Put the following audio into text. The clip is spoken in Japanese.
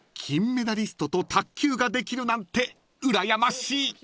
［金メダリストと卓球ができるなんてうらやましい！］